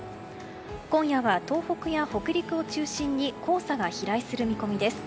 今夜は東北や北陸を中心に黄砂が飛来する見込みです。